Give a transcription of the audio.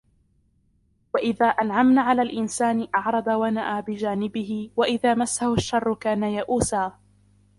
وإذا أنعمنا على الإنسان أعرض ونأى بجانبه وإذا مسه الشر كان يئوسا